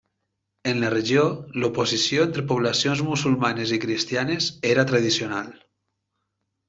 En la regió, l'oposició entre poblacions musulmanes i cristianes era tradicional.